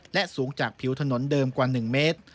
และสูงจากผิวถนนเดิมกว่า๑เมตร